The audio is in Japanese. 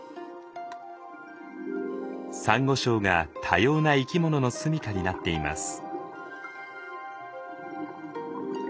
サンゴ礁が多様な生き物のすみかになっています。